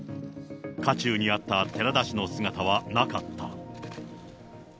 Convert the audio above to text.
渦中にあった寺田氏の姿はなかった。